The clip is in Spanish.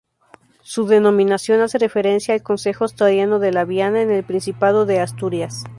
Su denominación hace referencia al concejo asturiano de Laviana, en el Principado de Asturias.